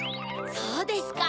そうですか。